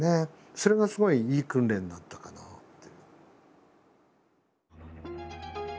それがすごいいい訓練になったかなって。